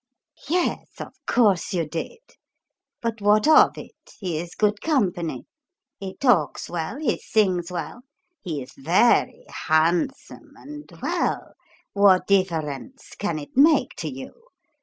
"Yes, of course you did. But what of it? He is good company he talks well, he sings well, he is very handsome and well, what difference can it make to you?